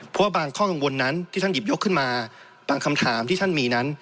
พวกบางข้อกังวลที่ฉันหยิบยกขึ้นมาบางคำถามที่ฉันมีนั้น